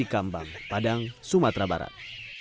sini di kambang padang sumatera barat